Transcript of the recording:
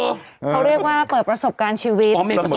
เขาเรียกว่าเปิดประสบการณ์ชีวิต